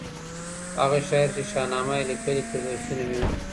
هغه شاعر چي شاهنامه يې ليکلې، فردوسي نومېږي.